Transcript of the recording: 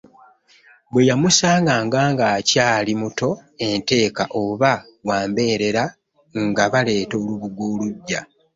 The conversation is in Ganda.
Bwe yamusanganga ng’akyali muto, enteeka oba wa mbeerera, nga baleeta olubugo oluggya.